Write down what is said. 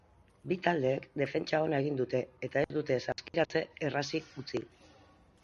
Bi taldeek defentsa ona egin dute eta ez dute saskiratze errazik utzi.